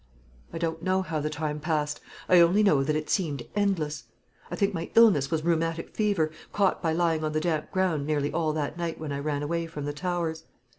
"I don't know how the time passed; I only know that it seemed endless. I think my illness was rheumatic fever, caught by lying on the damp ground nearly all that night when I ran away from the Towers.